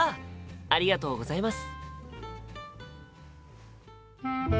ありがとうございます。